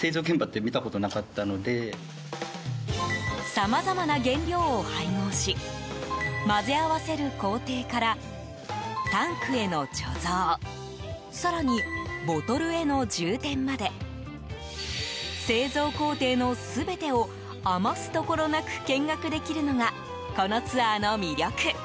さまざまな原料を配合し混ぜ合わせる工程からタンクへの貯蔵更に、ボトルへの充填まで製造工程の全てを余すところなく見学できるのがこのツアーの魅力。